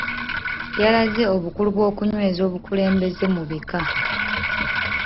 Yalaze obukulu bw’okunyweza obukulembeze mu Bika.